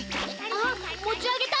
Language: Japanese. あっもちあげた！